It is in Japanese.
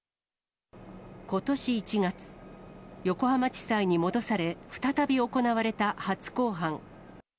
ことし１月、横浜地裁に戻され、再び行われた初公判。